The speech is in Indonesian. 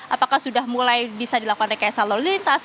apakah sudah mulai bisa dilakukan rekayasa lalu lintas